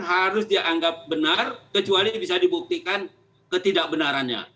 harus dianggap benar kecuali bisa dibuktikan ketidakbenarannya